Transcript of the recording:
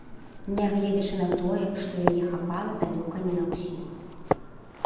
Нягледзячы на тое, што яе хапала далёка не на ўсіх.